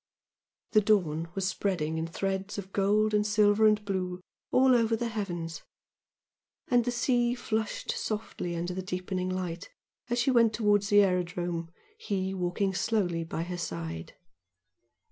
The dawn was spreading in threads of gold and silver and blue all over the heavens, and the sea flushed softly under the deepening light, as she went towards the aerodrome, he walking slowly by her side.